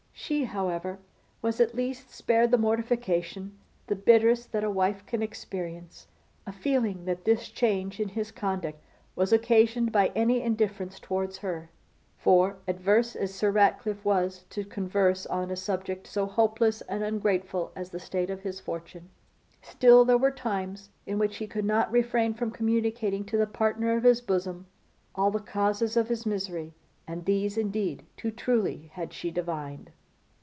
She, however, was at least spared the mortification, the bitterest that a wife can experience, of feeling that this change in his conduct was occasioned by any indifference towards her; for, averse as Sir Ratcliffe was to converse on a subject so hopeless and ungrateful as the state of his fortune, still there were times in which he could not refrain from communicating to the partner of his bosom all the causes of his misery, and these, indeed, too truly had she divined.